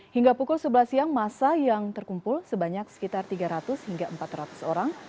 hingga pukul sebelas siang masa yang terkumpul sebanyak sekitar tiga ratus hingga empat ratus orang